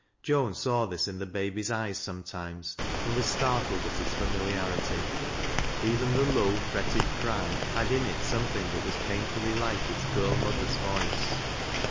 Joan saw this in the ';>aby's eyes sometimes and was startled at its familiarity ; even the low, fretted cry had in it something that was painfully like its girl mother's voice.